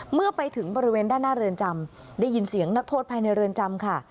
เมื่อไปถึงบริเวณด้านหน้าเรือนจำได้ยินเสียงนักโทษภายในเรือนจำค่ะ